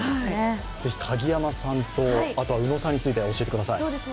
ぜひ鍵山さんと宇野さんについて教えてください。